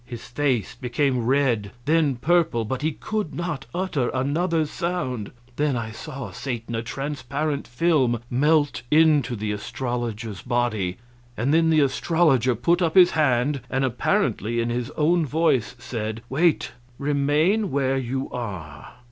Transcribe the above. His face became red, then purple, but he could not utter another sound. Then I saw Satan, a transparent film, melt into the astrologer's body; then the astrologer put up his hand, and apparently in his own voice said, "Wait remain where you are."